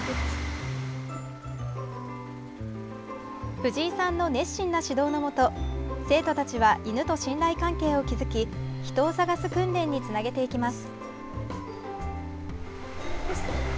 藤井さんの熱心な指導のもと生徒たちは犬と信頼関係を築き人を捜す訓練につなげていきます。